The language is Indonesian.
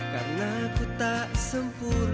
karena aku tak sempurna